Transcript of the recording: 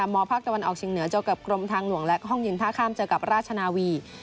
มภาคตะวันออกเชียงเหนือเจอกับกรมทางหลวงและห้องเย็นท่าข้ามเจอกับราชนาวี